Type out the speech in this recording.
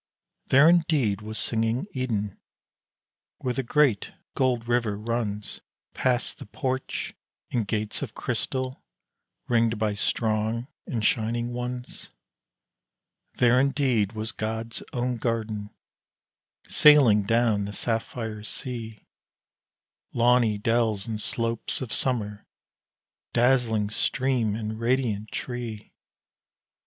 There indeed was singing Eden, where the great gold river runs Past the porch and gates of crystal, ringed by strong and shining ones! There indeed was God's own garden, sailing down the sapphire sea Lawny dells and slopes of summer, dazzling stream and radiant tree!